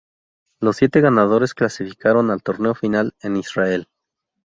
Los siete ganadores clasificaron al torneo final en Israel.